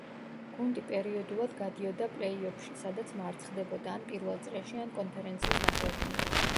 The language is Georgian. გუნდი პერიოდულად გადიოდა პლეიოფში სადაც მარცხდებოდა ან პირველ წრეში ან კონფერენციის ნახევარფინალში.